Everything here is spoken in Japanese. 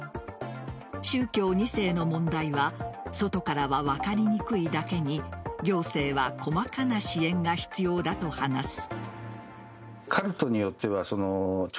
宗教２世の問題は外からは分かりにくいだけに行政は細かな支援が必要だと話す。